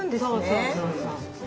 そうそうそう。